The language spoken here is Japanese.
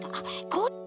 こっち？